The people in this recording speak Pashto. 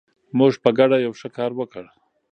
موږ په ګډه یو ښه کار وکړ.